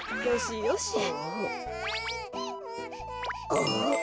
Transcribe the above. あっ！